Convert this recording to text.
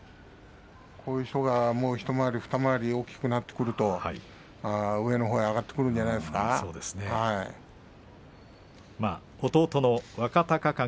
こういう人がもう一回り二回り大きくなってくると上のほうに上がってくるんじゃないですか。